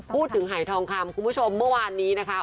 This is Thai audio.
หายทองคำคุณผู้ชมเมื่อวานนี้นะคะ